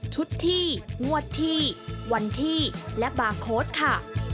ชุดที่งวดที่วันที่และบาร์โค้ดค่ะ